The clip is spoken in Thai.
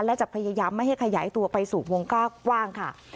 และจะพยายามไม่ให้ขยายตัวไปสู่วงกว้างค่ะ